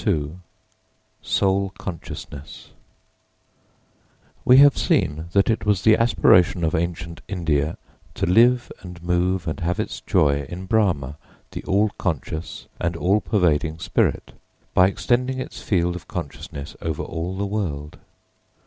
] II SOUL CONSCIOUSNESS We have seen that it was the aspiration of ancient India to live and move and have its joy in Brahma, the all conscious and all pervading Spirit, by extending its field of consciousness over all the world.